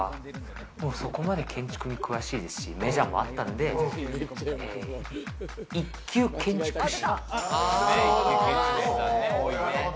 そこまで建築に詳しいですし、メジャーもあったんで、一級建築士。